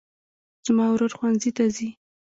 زما ورور ښوونځي ته ځي